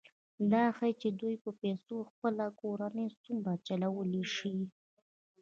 دا ښيي چې دوی په پیسو خپله کورنۍ څومره چلولی شي